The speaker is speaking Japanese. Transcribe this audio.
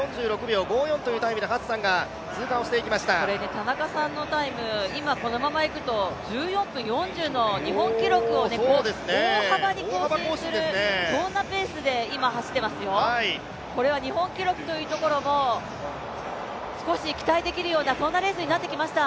田中さんのタイム、今このままいくと１４分４０の日本記録を大幅に更新する、そんなペースで今、走ってますよ、これは日本記録というところも少し期待できるようなそんなレースになってきました。